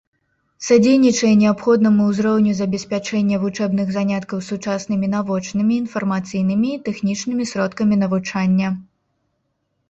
Садзейнічае неабходнаму ўзроўню забеспячэння вучэбных заняткаў сучаснымі навочнымі, інфармацыйнымі і тэхнічнымі сродкамі навучання.